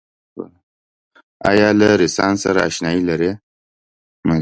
آیا له رنسانس سره اشنایې لرئ؟